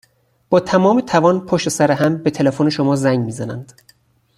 با تمام توان پشت سر هم به تلفن شما زنگ میزنند.